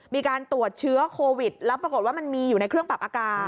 มีการตรวจเชื้อโควิดแล้วปรากฏว่ามันมีอยู่ในเครื่องปรับอากาศ